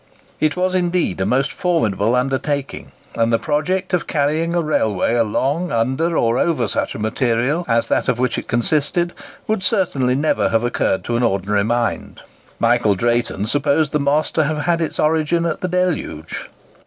It was indeed a most formidable undertaking; and the project of carrying a railway along, under, or over such a material as that of which it consisted, would certainly never have occurred to an ordinary mind. Michael Drayton supposed the Moss to have had its origin at the Deluge.